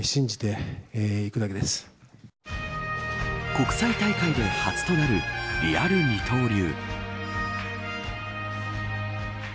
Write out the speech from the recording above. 国際大会で初となるリアル二刀流。